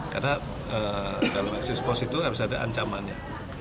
karena dalam eksis pos itu harus ada ancamannya